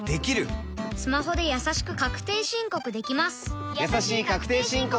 スマホでやさしく確定申告できます